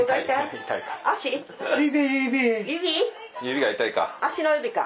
指が痛いか。